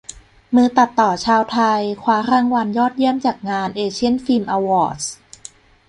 มือตัดต่อชาวไทย คว้ารางวัลยอดเยี่ยมจากงาน "เอเชียน ฟิล์ม อวอร์ดส์"